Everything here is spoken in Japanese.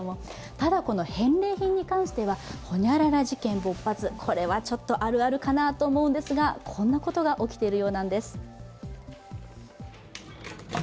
ただこの返礼品に関しては○○事件勃発、これはちょっとあるあるかなと思うんですがこんなことが起きているようなんです。